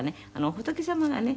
仏様がね